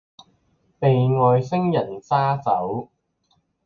被外星人抓走